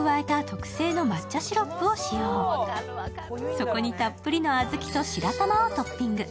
そこにたっぷりの小豆と白玉をトッピング。